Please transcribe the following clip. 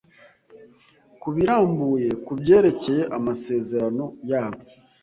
kubirambuye kubyerekeye amasezerano yabo